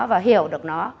và hiểu được nó